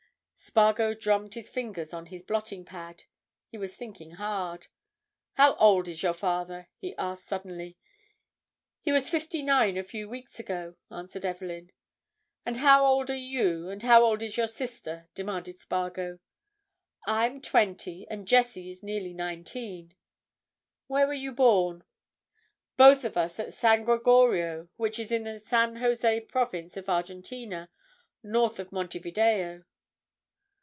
Spargo drummed his fingers on his blotting pad. He was thinking hard. "How old is your father?" he asked suddenly. "He was fifty nine a few weeks ago," answered Evelyn. "And how old are you, and how old is your sister?" demanded Spargo. "I am twenty, and Jessie is nearly nineteen." "Where were you born?" "Both of us at San Gregorio, which is in the San José province of Argentina, north of Monte Video."